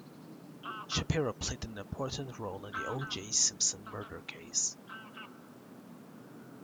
Shapiro played an important role in the O. J. Simpson murder case.